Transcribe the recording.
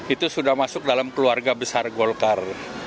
itu sudah masuk dalam keluarga besar golkar